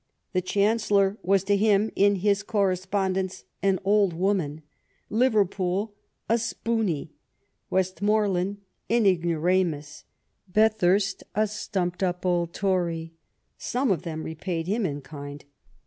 The Chancellor was to him — ^in his correspondence — an old woman,'' Liverpool a " spooney/' Westmoreland an *' ignoramus," Bathurst a '*sturaped up old Tory.*' Some of them repaid him in kind.